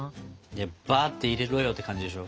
ばって入れろよって感じでしょ？